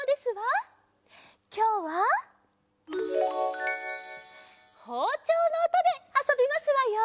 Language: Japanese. きょうはほうちょうのおとであそびますわよ。